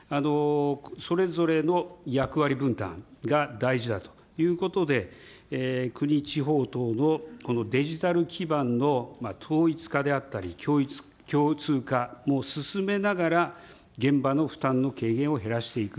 それぞれの役割分担が大事だということで、国、地方等のこのデジタル基盤の統一化であったり、共通化も進めながら、現場の負担の軽減を減らしていく。